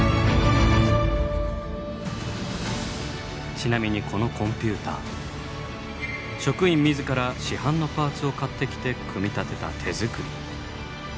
ちなみにこのコンピューター職員自ら市販のパーツを買ってきて組み立てた手作り。